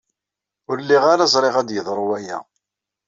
Ur lliɣ ara ẓriɣ ad yeḍru waya.